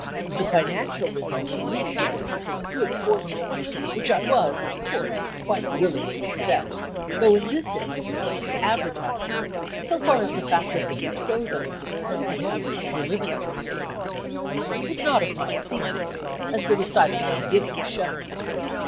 The financial result to me was a piece of good fortune, which I was, of course, quite willing to accept, though in this instance the "advertisement," so far as the fact of the betrothal of the parties with its preliminaries were concerned, was not of my seeking, as the recital now given shows.